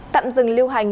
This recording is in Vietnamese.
tạm dừng lưu hành